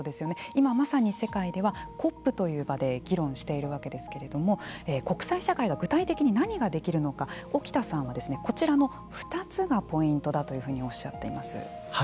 今、まさに世界ではＣＯＰという場で議論しているわけですけれども国際社会が具体的に何ができるのか沖さんは、こちらの２つがポイントだというふうにおっしゃっています。